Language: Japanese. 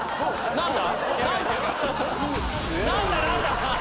何だ何だ？